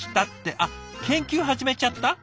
あっ研究始めちゃった？